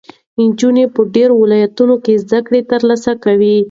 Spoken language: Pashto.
نجونې په ډېرو ولایتونو کې زده کړې ترلاسه کوي.